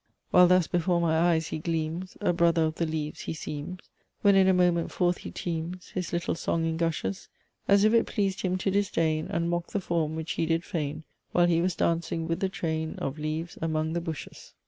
While thus before my eyes he gleams, A Brother of the Leaves he seems; When in a moment forth he teems His little song in gushes As if it pleased him to disdain And mock the Form which he did feign While he was dancing with the train Of Leaves among the bushes."